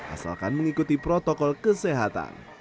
asalkan mengikuti protokol kesehatan